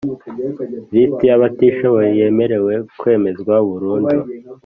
Lisiti y’abatishoboye yemerewe kwemezwa burundu